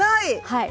はい。